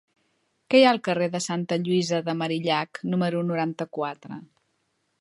Què hi ha al carrer de Santa Lluïsa de Marillac número noranta-quatre?